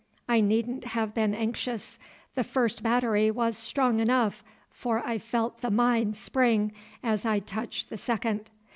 I needn't have been anxious; the first battery was strong enough, for I felt the mine spring as I touched the second.